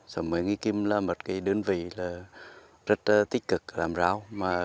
xóm một mươi xã nghi kim là một đơn vị rất tích cực làm rau